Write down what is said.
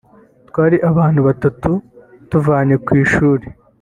twari abana batatu tuvanye ku ishuli